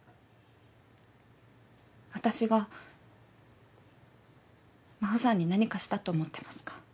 私が真帆さんに何かしたと思ってますか？